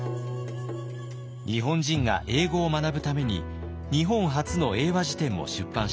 日本人が英語を学ぶために日本初の英和辞典も出版しました。